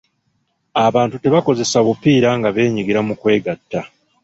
Abantu tebakozesa bupiira nga beenyigira mu kwegatta.